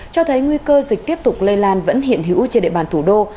cho thấy nguy cơ dịch tiếp tục lây lan vẫn hiện hữu trên địa bàn thủ đô